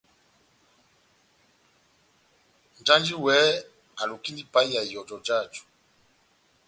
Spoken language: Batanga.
Nʼjanji wɛ́hɛ́pi alukindi ipahiya ihɔjɔ jáju.